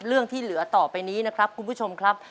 เรื่องที่เหลือต่อไปนี้นะครับคุณผู้ชมครับ